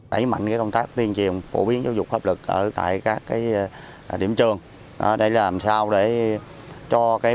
đẩy mạnh công tác tiên triều phổ biến giáo dục pháp lực ở các điểm trường để làm sao để cho